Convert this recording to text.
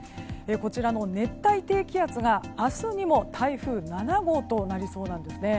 こちらの熱帯低気圧が明日にも台風７号となりそうです。